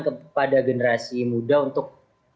kepada generasi muda untuk